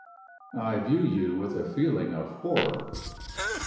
"I view you with a feeling of horror."